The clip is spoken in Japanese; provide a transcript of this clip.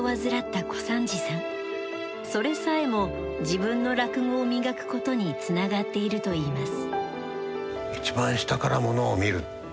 それさえも自分の落語を磨くことにつながっているといいます。